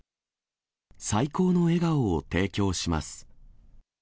最高の笑顔を提供します。